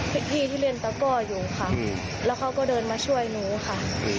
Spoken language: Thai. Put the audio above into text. พี่ที่เล่นตะก้ออยู่ค่ะแล้วเขาก็เดินมาช่วยหนูค่ะ